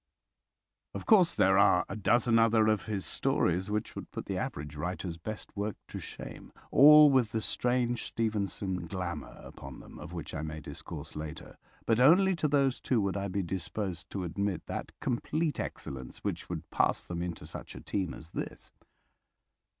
Of course, there are a dozen other of his stories which would put the average writer's best work to shame, all with the strange Stevenson glamour upon them, of which I may discourse later, but only to those two would I be disposed to admit that complete excellence which would pass them into such a team as this.